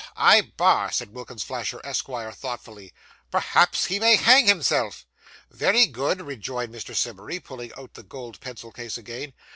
I bar,' said Wilkins Flasher, Esquire, thoughtfully. 'Perhaps he may hang himself.' 'Very good,' rejoined Mr. Simmery, pulling out the gold pencil case again.